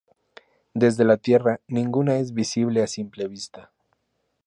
Desde la Tierra, ninguna es visible a simple vista.